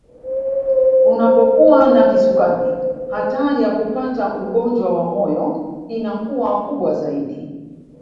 Unapokuwa na kisukari hatari ya kupata ugonjwa wa moyo inakuwa kubwa zaidi